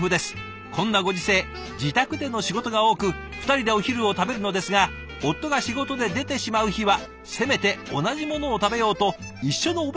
こんなご時世自宅での仕事が多く２人でお昼を食べるのですが夫が仕事で出てしまう日はせめて同じものを食べようと一緒のお弁当を作っています」。